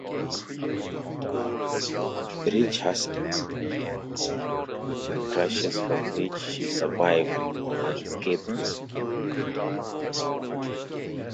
Reitsch herself experienced several crashes from which she survived unscathed.